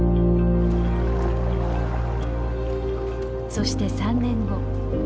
そして３年後。